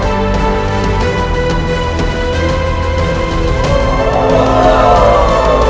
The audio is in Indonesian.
semua yang telah membunuh ayahku